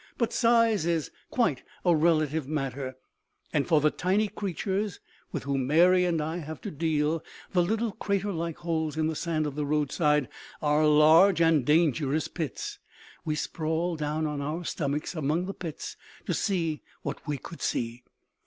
But size is quite a relative matter, and for the tiny creatures with whom Mary and I have to deal, the little crater like holes in the sand of the roadside are large and dangerous pits. We sprawled down on our stomachs among the pits to see what we could see.